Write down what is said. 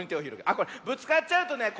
あっこれぶつかっちゃうとねこわい